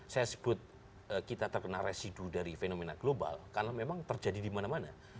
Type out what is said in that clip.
saya sebut kita terkena residu dari fenomena global karena memang terjadi di mana mana